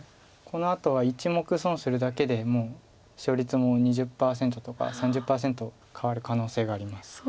このあとは１目損するだけでもう勝率も２０％とか３０％変わる可能性があります。